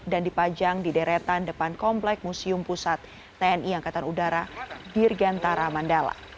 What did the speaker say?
dan dipajang di deretan depan komplek museum pusat tni angkatan udara dirgantara mandala